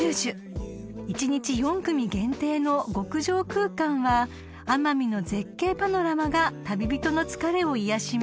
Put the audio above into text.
［一日４組限定の極上空間は奄美の絶景パノラマが旅人の疲れを癒やします］